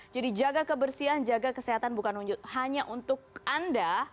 jadi jaga kebersihan jaga kesehatan bukan hanya untuk anda